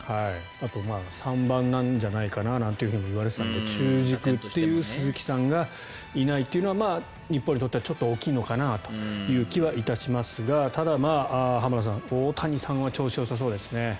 あと３番なんじゃないかなともいわれていたので中軸という鈴木さんがいないというのは日本にとってはちょっと大きいのかなという気は致しますがただ、浜田さん大谷さんは調子よさそうですね。